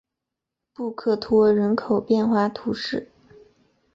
布克托人口变化图示